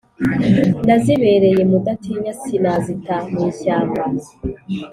nazibereye mudatinya sinazita mu ishyamba.